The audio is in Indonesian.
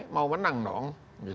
mau menang dong